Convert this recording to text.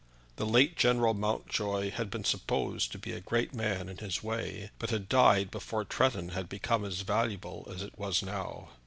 The late General Mountjoy had been supposed to be a great man in his way, but had died before Tretton had become as valuable as it was now.